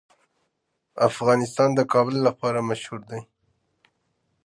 افغانستان د کابل لپاره مشهور دی.